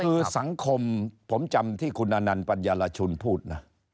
คือสังคมผมจำที่คุณอนันต์ปัญญารชุนพูดนะ